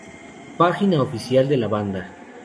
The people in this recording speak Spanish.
Página oficial de la banda